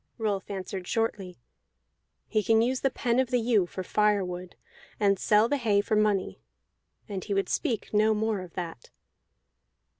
Rolf answered shortly: "He can use the pen of the ewe for firewood, and sell the hay for money." And he would speak no more of that.